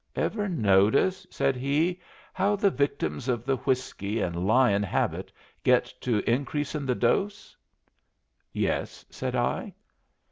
"Ever notice," said he, "how the victims of the whiskey and lyin' habit get to increasing the dose?" "Yes," said I.